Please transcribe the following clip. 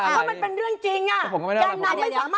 เอาทีละคำถาม